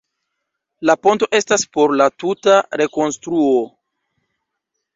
La ponto estas por la tuta rekonstruo.